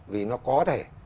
vì nó có thể